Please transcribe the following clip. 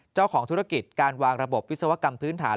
เจ้าของธุรกิจการวางระบบวิศวกรรมพื้นฐาน